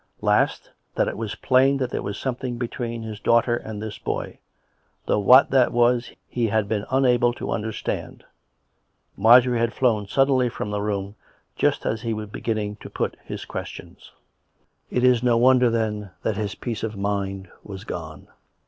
Last, that it was plain that there was something between his daughter and this boy, though what that was COME RACK! COME ROPE! 71 he had been unable to understand. Marjorie had flown suddenly from tlie room just as he was beginning to put his questions. It is no wonder, then, that his peace of mind was gone.